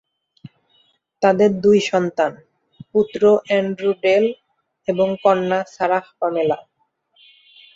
তাদের দুই সন্তান, পুত্র অ্যান্ড্রু ডেল এবং কন্যা সারাহ পামেলা।